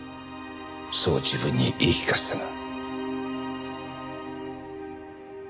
そう自分に言い聞かせてな。